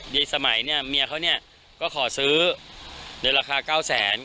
ในสมัยเนี่ยเมียเขาเนี่ยก็ขอซื้อในราคา๙แสน